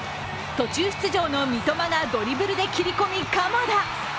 途中出場の三笘がドリブルで切り込み、鎌田。